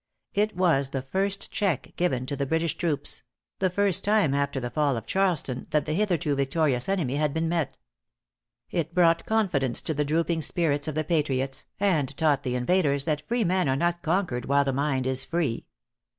It was the first check given to the British troops the first time after the fall of Charleston, that the hitherto victorious enemy had been met. It brought confidence to the drooping spirits of the patriots, and taught the invaders that freemen are not conquered while the mind is free.